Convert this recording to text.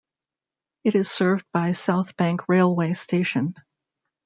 It is served by South Bank railway station.